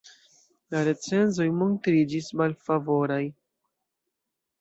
La recenzoj montriĝis malfavoraj.